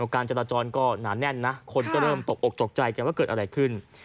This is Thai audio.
การจราจรก็หนาแน่นนะคนก็เริ่มตกอกตกใจกันว่าเกิดอะไรขึ้น